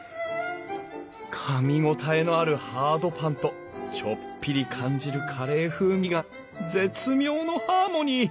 かみ応えのあるハードパンとちょっぴり感じるカレー風味が絶妙のハーモニー！